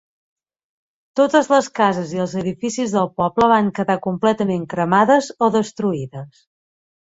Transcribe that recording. Totes les cases i els edificis del poble van quedar completament cremades o destruïdes.